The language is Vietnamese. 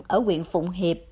ở quyện phụng hiệp